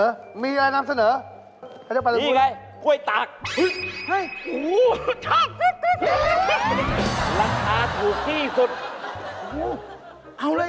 ผมไม่ได้พูดอะไรแต่ผมนิ่งเลย